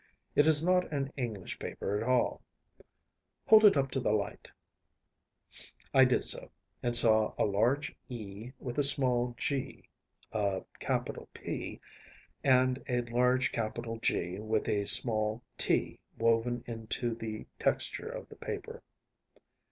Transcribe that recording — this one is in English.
“It is not an English paper at all. Hold it up to the light.‚ÄĚ I did so, and saw a large ‚ÄúE‚ÄĚ with a small ‚Äúg,‚ÄĚ a ‚ÄúP,‚ÄĚ and a large ‚ÄúG‚ÄĚ with a small ‚Äút‚ÄĚ woven into the texture of the paper.